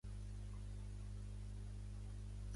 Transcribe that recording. Dimiteix el cap civil de Lepe.